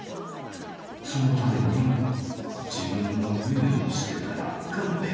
そのためにも自分の夢を捨てたらあかんのや。